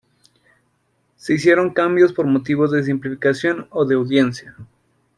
Se hicieron cambios por motivos de simplificación o de audiencia.